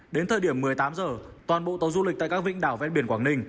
đến thời điểm một mươi tám h toàn bộ tàu du lịch tại các vĩnh đảo ven biển quảng ninh